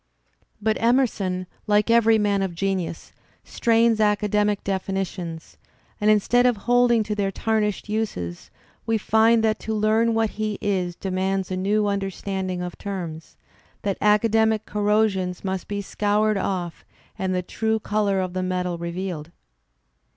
But Emerson, like every man of genius, strains academic definitions; and in stead of holding to their tarnished uses, we find that to learn what he is demands a new understanding of terms, that academic corrosions must be scoured off and the true colour of the metal revealed.